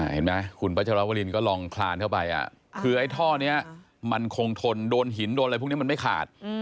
เห็นไหมคุณพัชรวรินก็ลองคลานเข้าไปคือไอ้ท่อนี้มันคงทนโดนหินโดนอะไรพวกนี้มันไม่ขาด